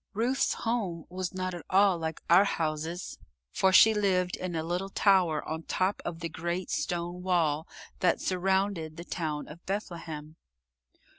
Ruth's home was not at all like our houses, for she lived in a little tower on top of the great stone wall that surrounded the town of Bethlehem.